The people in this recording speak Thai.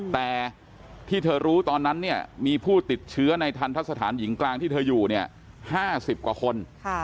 แต่ที่เธอรู้ตอนนั้นเนี่ยมีผู้ติดเชื้อในทันทะสถานหญิงกลางที่เธออยู่เนี่ย๕๐กว่าคน